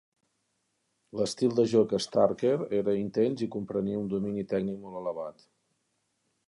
L'estil de joc de Starker era intens i comprenia un domini tècnic molt elevat.